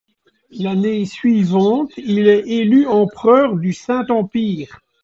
L'année suivante, il est élu empereur du Saint-Empire.